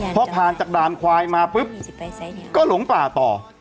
พอผ่านจากด่านควายมาปุ๊บก็หลงป่าต่อ